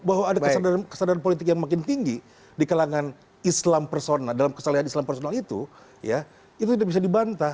bahwa ada kesadaran politik yang makin tinggi di kalangan islam persona dalam kesalahan islam personal itu itu tidak bisa dibantah